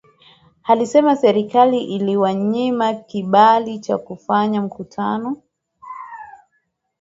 Alisema serikali iliwanyima kibali cha kufanya mkutano